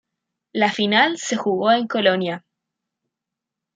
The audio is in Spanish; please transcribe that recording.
La final se jugó en Colonia.